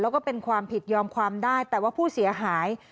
แล้วก็เป็นความผิดยอมความได้แต่ว่าผู้เสียหาย